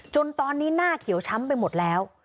จนตอนนี้หน้าเขียวช้ำไปหมดแล้ว